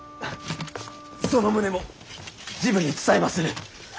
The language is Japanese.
その旨も治部に伝えまする。